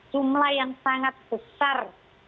jumlah yang sangat besar